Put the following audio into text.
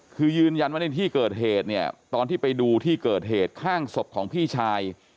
คือยืนยันว่าในที่เกิดเหตุเนี่ยตอนที่ไปดูที่เกิดเหตุข้างศพของพี่ชาย